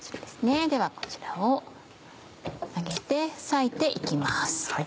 ではこちらを上げて裂いて行きます。